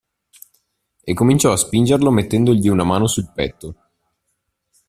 E cominciò a spingerlo mettendogli una mano sul petto.